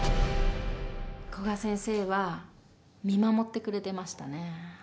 古賀先生は、見守ってくれてましたね。